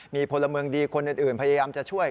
มีพลเมืองดีคนอื่นพยายามจะช่วย